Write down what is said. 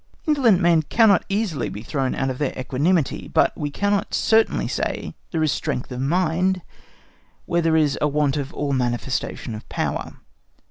Indolent men cannot easily be thrown out of their equanimity, but we cannot certainly say there is strength of mind where there is a want of all manifestation of power.